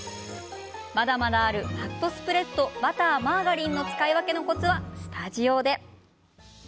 まだまだあるファットスプレッドバター、マーガリンの使い分けのコツはスタジオで。